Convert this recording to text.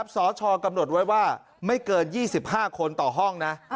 สชกำหนดไว้ว่าไม่เกิน๒๕คนต่อห้องนะ